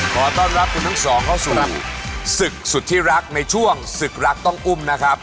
ขอต้อนรับคุณทั้งสองเข้าสู่ศึกสุดที่รักในช่วงศึกรักต้องอุ้มนะครับ